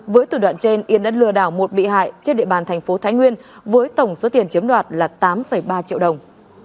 với tùy đoạn trên yên đã lừa đảo một bị hại trên địa bàn thành phố thái nguyên với tổng số tiền chiếm đoạt là tám ba triệu đồng